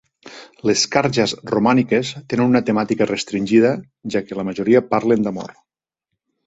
Les "kharjas" romàniques tenen una temàtica restringida, ja que la majoria parlen d'amor.